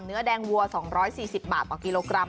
เนื้อแดงวัว๒๔๐บาทต่อกิโลกรัม